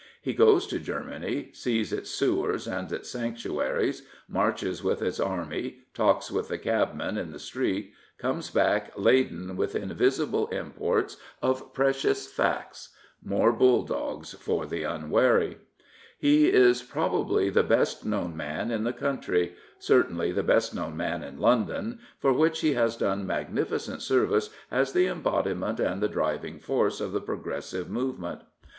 He goes to Germany, sees its sewers and its sanctuaries, marches with its army, talks with the cabmen in the street, comes back laden with invisible imports of precious facts — more bulldogs for the unwary. He is probably the best known man in the country — certainly the best known man in London, for which he has done magnificent service as the embodiment and the driving force of the Progressive movement.